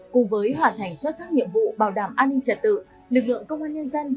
cùng với hoàn thành xuất sắc nhiệm vụ bảo đảm an ninh trật tự lực lượng công an nhân dân